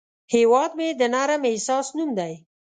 هیواد مې د نرم احساس نوم دی